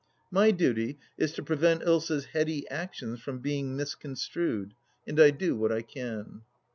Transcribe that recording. My duty is to prevent Ilsa's heady actions from being mis construed, and I do what I can.